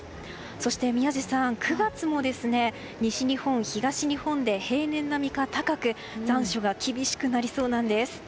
そして宮司さん９月も西日本、東日本で平年並みか高く残暑が厳しくなりそうなんです。